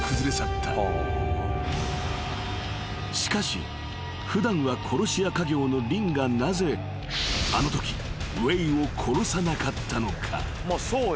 ［しかし普段は殺し屋稼業のリンがなぜあのときウェイを殺さなかったのか？］